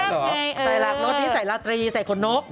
ใส่รากรถนี้ใส่รากตรีใส่คนนก